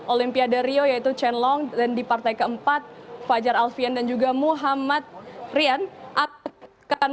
olimpiade rio yaitu chen long dan di partai keempat fajar alfian dan juga muhammad rian akan